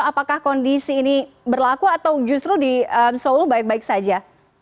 apakah kondisi ini berlaku atau justru di solo baik baik saja